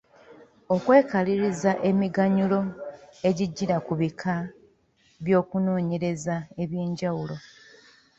Okwekaliriza emiganyulo egijjira ku bika by’okunoonyereza eby’enjawulo.